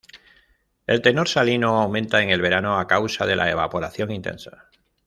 El tenor salino aumenta en el verano a causa de la evaporación intensa.